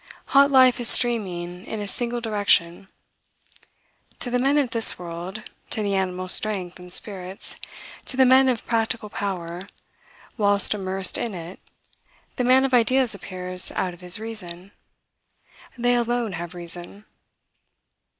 Hot life is streaming in a single direction. To the men of this world, to the animal strength and spirits, to the men of practical power, whilst immersed in it, the man of ideas appears out of his reason. They alone have reason.